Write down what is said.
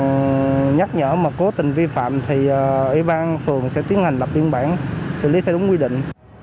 và nhắc nhở mà cố tình vi phạm thì ủy ban phường sẽ tiến hành lập biên bản xử lý theo đúng quy định